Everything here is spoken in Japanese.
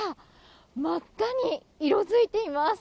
真っ赤に色づいています。